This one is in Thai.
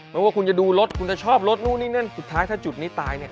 ไม่ว่าคุณจะดูรถคุณจะชอบรถนู่นนี่นั่นสุดท้ายถ้าจุดนี้ตายเนี่ย